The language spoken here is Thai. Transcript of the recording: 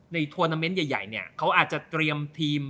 ในทวนาเมนต์ใหญ่เขาอาจจะเตรียมทีม